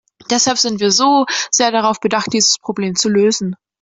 Deshalb sind wir so sehr darauf bedacht, dieses Problem zu lösen.